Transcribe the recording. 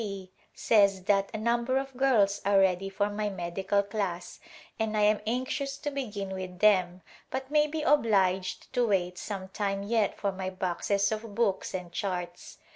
T says that a number of girls are ready for my medical class and I am anxious to begin with them but may be obliged to wait some time yet for my boxes of books and charts.